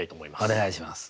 お願いします。